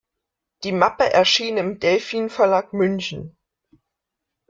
Die Mappe erschien im Delphin Verlag München.